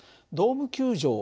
ドーム球場